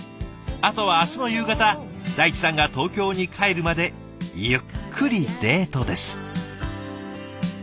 あとは明日の夕方大地さんが東京に帰るまでゆっくりデートです。